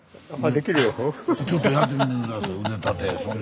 ちょっとやってみて下さい。